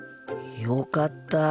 よかった。